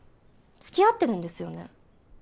付き合ってるんですよね？